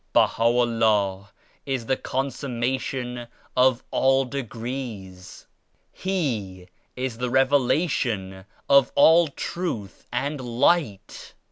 BahaVllah is the consummation of all degrees. He is the Revela tion of all Truth and Light.